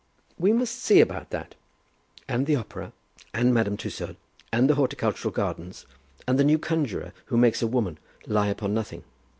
"We must see about that!" "And the opera, and Madame Tussaud, and the Horticultural Gardens, and the new conjuror who makes a woman lie upon nothing.